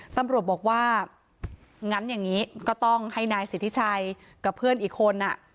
ตำรวจบอกว่างั้นอย่างนี้ก็ต้องให้นายสิทธิชัยกับเพื่อนอีกคน